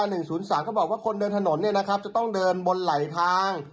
เขาบอกว่าคนเดินถนนจะต้องเดินบนไหลทาง